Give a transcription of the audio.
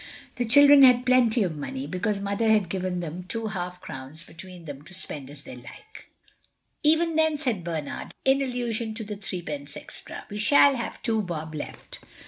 The children had plenty of money, because Mother had given them two half crowns between them to spend as they liked. "Even then," said Bernard, in allusion to the threepence extra, "we shall have two bob left."